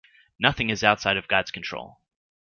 nothing is outside of God's control